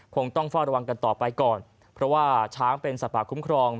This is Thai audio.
คงต้องเฝ้าระวังกันต่อไปก่อนเพราะว่าช้างเป็นสัตว์ป่าคุ้มครอง